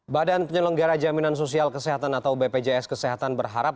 badan penyelenggara jaminan sosial kesehatan atau bpjs kesehatan berharap